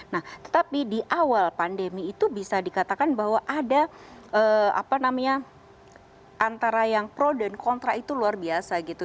nah tetapi di awal pandemi itu bisa dikatakan bahwa ada apa namanya antara yang pro dan kontra itu luar biasa gitu